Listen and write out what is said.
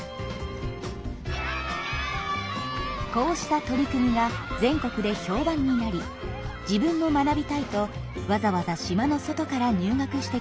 こうした取り組みは全国で評判になり自分も学びたいとわざわざ島の外から入学してくる生徒も増えました。